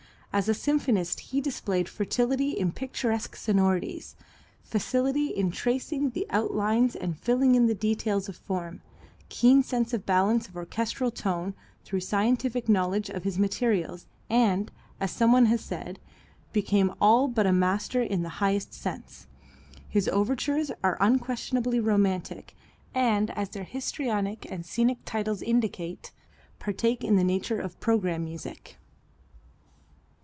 As a symphonist he displayed fertility in picturesque sonorities, facility in tracing the outlines and filling in the details of form, keen sense of balance of orchestral tone, thorough scientific knowledge of his materials, and, as some one has said, became all but a master in the highest sense. His overtures are unquestionably romantic, and as their histrionic and scenic titles indicate, partake of the nature of programme music.